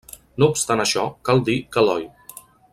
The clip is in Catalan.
No obstant això, cal dir que l'Oi!